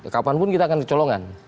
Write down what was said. kapanpun kita akan kecolongan